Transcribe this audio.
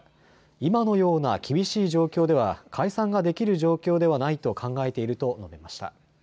今のような厳しい状況では解散ができる状況ではないと考えていると述べました。